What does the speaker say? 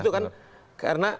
itu kan karena